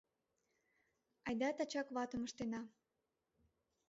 Айда тачак ватым ыштена.